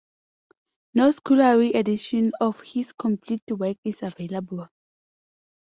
No scholarly edition of his complete works is available.